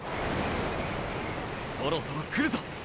そろそろ来るぞ。